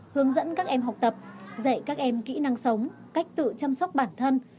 hướng dẫn các em học tập dạy các em kỹ năng sống cách tự chăm sóc bản thân